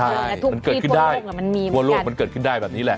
ใช่มันเกิดขึ้นได้ทั่วโลกมันเกิดขึ้นได้แบบนี้แหละ